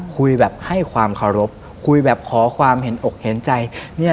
คุยแบบให้ความเคารพคุยแบบขอความเห็นอกเห็นใจเนี่ย